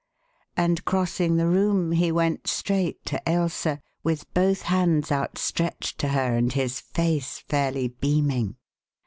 and crossing the room he went straight to Ailsa, with both hands outstretched to her and his face fairly beaming.